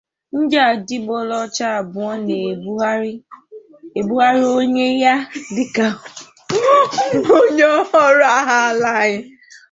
ndị adịgboloja abụọ na-ebugharị onwe ya dịka onye ọrụ agha ala anyị